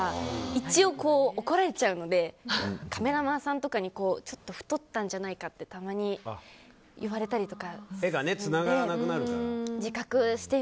一応、怒られちゃうのでカメラマンさんとかにちょっと太ったんじゃないかってたまに言われたりとかして。